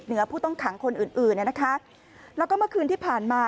เหนือผู้ต้องขังคนอื่นแล้วก็เมื่อคืนที่ผ่านมา